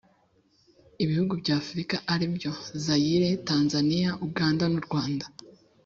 ibihugu by'afurika ari byo zayire, tanzaniya, uganda nu rwanda